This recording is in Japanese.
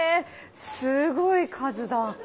すごい数だ。